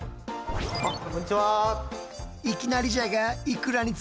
あっこんにちは。